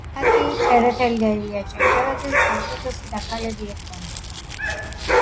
აკაკი წერეთელი და ილია ჭავჭავაძე ,საუკეთესო დაქალები იყვნენ